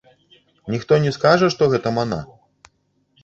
Ніхто не скажа, што гэта мана?